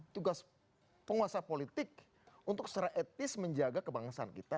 tugas penguasa politik untuk secara etis menjaga kebangsaan kita